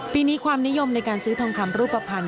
ปีนี้ความนิยมในการซื้อทองคำรูปพันธ